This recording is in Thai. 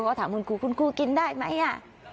ก็ถามคุณครูคุณครูกินได้ไหมอ่ะ